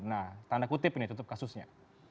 nah tanda kutip ini tutup kasusnya